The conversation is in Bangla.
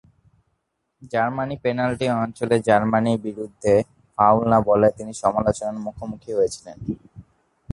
জার্মানির পেনাল্টি অঞ্চলে জার্মানির বিরুদ্ধে ফাউল না বলায় তিনি সমালোচনার মুখোমুখি হয়েছিলেন।